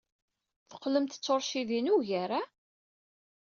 Teqqlemt d tuṛcidin ugar, ah?